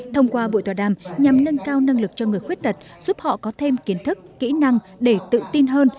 thông qua buổi tọa đàm nhằm nâng cao năng lực cho người khuyết tật giúp họ có thêm kiến thức kỹ năng để tự tin hơn